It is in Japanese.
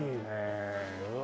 うわ！